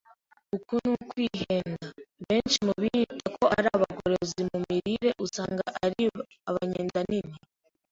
Uku ni ukwihenda. Benshi mu biyita ko ari abagorozi mu mirire usanga ari abanyendanini.